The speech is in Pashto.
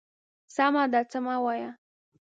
_سمه ده، څه مه وايه.